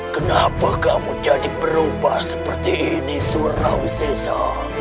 kenapa kamu jadi berubah seperti ini suraui seja